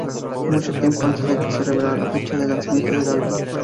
Mucho tiempo antes de que se revelara la fecha de lanzamiento del álbum.